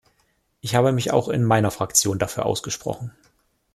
Ich habe mich auch in meiner Fraktion dafür ausgesprochen.